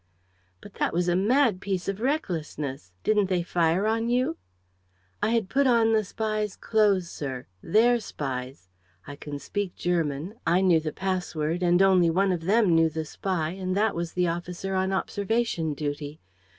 "But that was a mad piece of recklessness! Didn't they fire on you?" "I had put on the spy's clothes, sir, their spy's. I can speak German, I knew the pass word and only one of them knew the spy and that was the officer on observation duty.